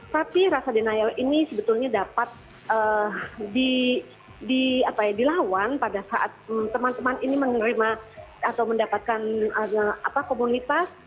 tapi rasa denial ini sebetulnya dapat dilawan pada saat teman teman ini menerima atau mendapatkan komunitas